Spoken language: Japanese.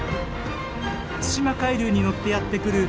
対馬海流に乗ってやって来る